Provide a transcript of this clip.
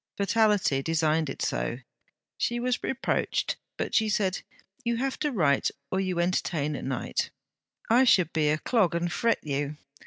Fatality designed it so. She was reproached, but she said: 'You have to write or you entertain at night; I should be a clog and fret you.